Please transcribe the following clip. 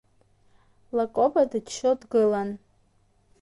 Лакоба дыччо дгылан.